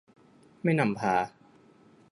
ไม่นำพา